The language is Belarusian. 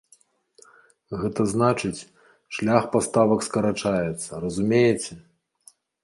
Гэта значыць, шлях паставак скарачаецца, разумееце?